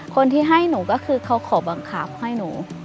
คนที่ให้หนูก็คือเขาขอบังคับให้หนู